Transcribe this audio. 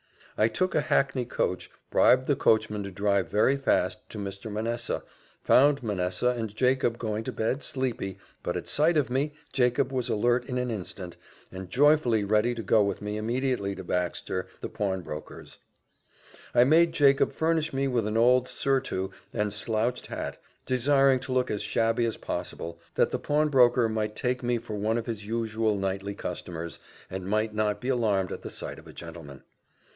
I took a hackney coach, bribed the coachman to drive very fast to Mr. Manessa found Manessa and Jacob going to bed sleepy but at sight of me Jacob was alert in an instant, and joyfully ready to go with me immediately to Baxter, the pawnbroker's. I made Jacob furnish me with an old surtout and slouched hat, desiring to look as shabby as possible, that the pawnbroker might take me for one of his usual nightly customers, and might not be alarmed at the sight of a gentleman.